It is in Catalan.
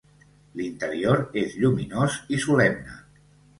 L'interior és lluminós i solemne.